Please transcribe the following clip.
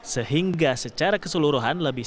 sehingga secara keseluruhan lebih